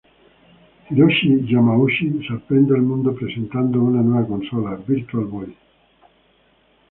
Hiroshi Yamauchi sorprende al mundo presentando una nueva consola: Virtual Boy.